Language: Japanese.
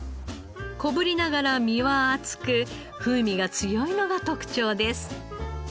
小ぶりながら身は厚く風味が強いのが特徴です。